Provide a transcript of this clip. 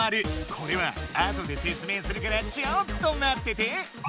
これはあとで説明するからちょっとまってて！